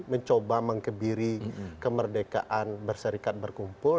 mencoba mengkebiri kemerdekaan berserikat berkumpul